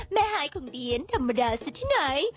แม่หายของเดี๋ยนธรรมดาสักทีหน่อย